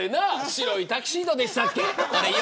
白いタキシードでしたっけ。